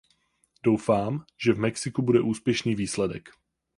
Doufám, že v Mexiku bude úspěšný výsledek.